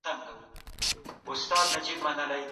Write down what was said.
د تاریخ فلسفه بدلونونه مطالعه کوي.